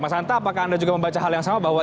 mas anta apakah anda juga membaca hal yang sama bahwa